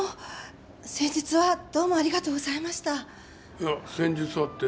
いや先日はって。